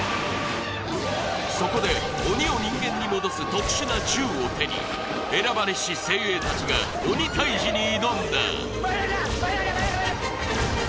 そこで鬼を人間に戻す特殊な銃を手に選ばれし精鋭たちが鬼タイジに挑んだオラッ！